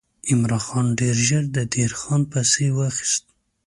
عمرا خان ډېر ژر د دیر خان پسې واخیست.